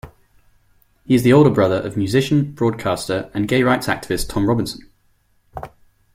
He is the older brother of musician, broadcaster and gay rights activist Tom Robinson.